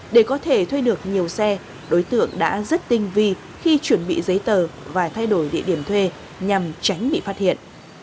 để có thể thuê được nhiều xe đối tượng đã rất tinh vi khi chuẩn bị giấy tờ và thay đổi địa điểm thuê nhằm tránh bị phát hiện